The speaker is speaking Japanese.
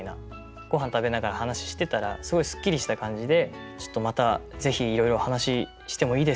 ご飯食べながら話してたらすごいスッキリした感じで「ちょっとまたぜひいろいろ話してもいいですか？」